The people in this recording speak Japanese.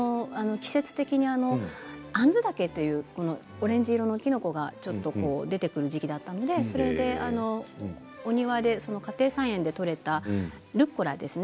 季節的にアンズタケというオレンジ色のきのこが出てくるところだったのでお庭で家庭菜園でとれたルッコラですね。